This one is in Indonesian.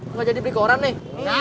nggak jadi beli koran nih